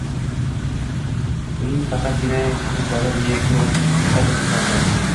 Uning faqatgina kipriklari beixtiyor pir-piradi